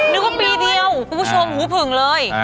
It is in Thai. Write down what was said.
นึกว่าปีเดียวคุณผู้ชมหูผึ่งเลย